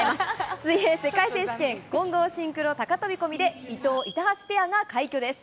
水泳世界選手権混合シンクロ高飛び込みで伊藤・板橋ペアが快挙です。